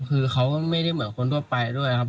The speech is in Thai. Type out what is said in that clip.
คือเขาก็ไม่ได้เหมือนคนทั่วไปด้วยครับ